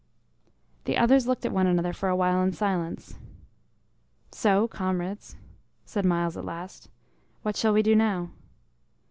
The others looked at one another for a while in silence. "So, comrades," said Myles at last, "what shall we do now?"